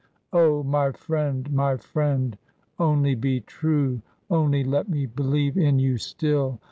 Oh^ my friend — my friend! Only be true ! Only let me believe in you still!